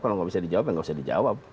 kalau nggak bisa dijawab nggak usah dijawab